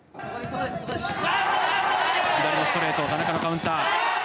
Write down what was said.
左のストレート田中のカウンター。